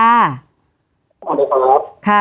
สวัสดีครับ